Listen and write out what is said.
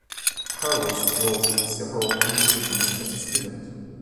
Carlos wrote several compositions as a student.